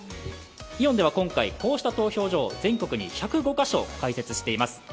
イオンでは今回、こうした投票所を全国１０５カ所開設しています。